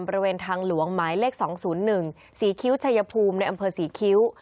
บริเวณทางหลวงหมายเลขสองศูนย์หนึ่งสีคิ้วชายภูมิในอำเภอสีคิ้ว